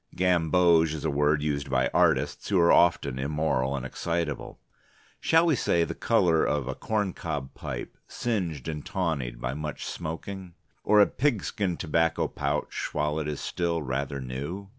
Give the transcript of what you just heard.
Gamboge is a word used by artists, who are often immoral and excitable. Shall we say, the colour of a corncob pipe, singed and tawnied by much smoking? Or a pigskin tobacco pouch while it is still rather new?